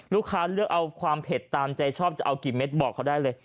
ลูกค้าเลือกเอาความเผ็ดตามใจชอบจะเอากี่เม็ดบอกเขาได้เลย